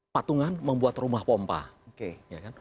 patungan membuat rumah pompa ya kan